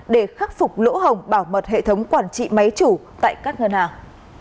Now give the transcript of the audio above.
để khắc phục lỗ hồng bảo mật hệ thống quản trị máy chủ tại các ngân hàng